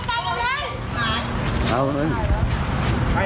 นี่นี่นี่นี่นี่นี่นี่นี่นี่นี่